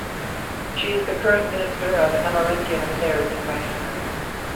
She is the current Minister of Amerindian Affairs in Guyana.